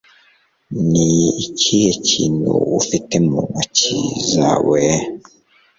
Ni ikihe kintu ufite mu ntoki zawe